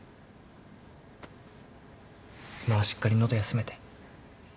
今はしっかり喉休めて。